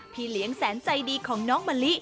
พี่เลี้ยงแสนใจดีของน้องมะลิ